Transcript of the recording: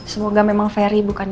semoga memang ferry bukan